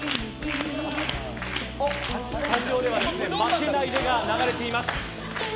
会場では「負けないで」が流れています。